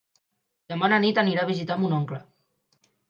Demà na Nit anirà a visitar mon oncle.